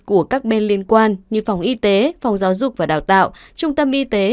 của các bên liên quan như phòng y tế phòng giáo dục và đào tạo trung tâm y tế